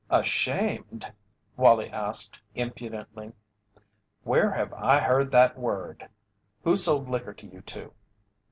"Ashamed?" Wallie asked, impudently. "Where have I heard that word?" "Who sold liquor to you two?"